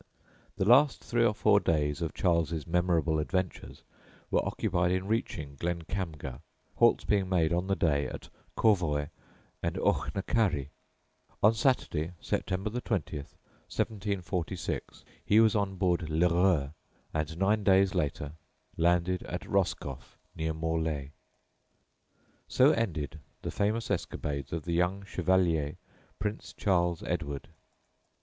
The last three or four days of Charles's memorable adventures were occupied in reaching Glencamger, halts being made on the day at Corvoy and Auchnacarry. On Saturday, September 20th, 1746, he was on board L'Heureux, and nine days later landed at Roscoff, near Morlaix. So ended the famous escapades of the young Chevalier Prince Charles Edward.